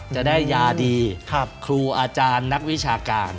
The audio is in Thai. จะได้ยาดีครูอาจารย์นักวิชาการ